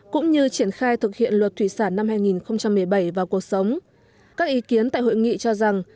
cũng như triển khai thực hiện luật thủy sản năm hai nghìn một mươi bảy vào cuộc sống các ý kiến tại hội nghị cho rằng